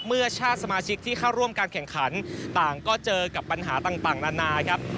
เมื่อชาติสมาชิกที่เข้าร่วมการแข่งขันต่างก็เจอกับปัญหาต่างนานาครับ